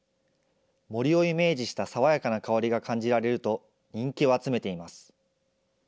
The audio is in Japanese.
森をイメージした爽やかな香りが感じられると、人気を集めています。